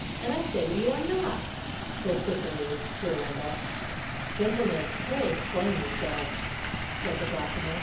"And I say that you are not!" vociferated Sir Randolph. "Gentlemen, pray explain yourselves," said the Blackamoor.